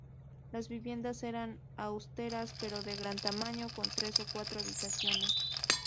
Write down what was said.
Las viviendas eran austeras pero de gran tamaño, con tres o cuatro habitaciones.